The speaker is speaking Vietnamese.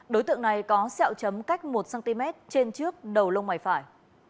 đối tượng này có sẹo chấm cách một cm trên trước đầu lông mày phải